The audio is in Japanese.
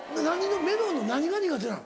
メロンの何が苦手なの？